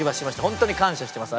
本当に感謝してます。